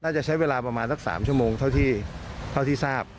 จะใช้เวลาประมาณสัก๓ชั่วโมงเท่าที่ทราบ